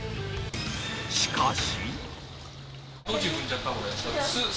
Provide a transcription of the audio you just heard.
しかし。